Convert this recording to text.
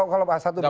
kalau satu berita